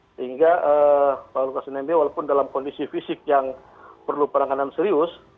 sehingga pak lukas nmb walaupun dalam kondisi fisik yang perlu peranganan serius